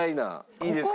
いいですか？